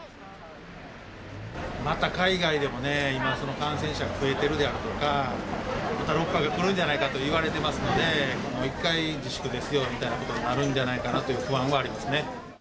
また海外でもねえ、今、感染者が増えてるであるとか、第６波がくるんじゃないかといわれているのでもう一回自粛ですよみたいなことになるんじゃないかなという不安はありますね。